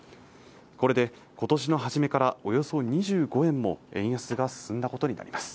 これで今年の初めからおよそ２５円も円安が進んだことになります